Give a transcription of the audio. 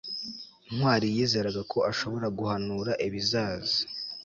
ntwali yizeraga ko ashobora guhanura ibizaza